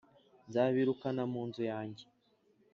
Nzabirukana mu nzu yanjye,